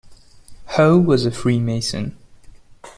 Hoe was a Freemason.